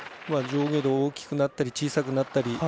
上下動大きくなったり小さくなったり。